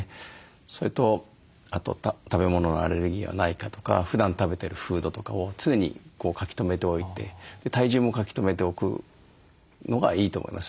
それとあと食べ物のアレルギーはないかとかふだん食べてるフードとかを常に書き留めておいて体重も書き留めておくのがいいと思います。